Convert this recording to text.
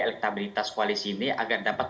elektabilitas koalisi ini agar dapat